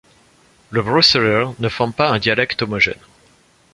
Le brusseleer ne forme pas un dialecte homogène.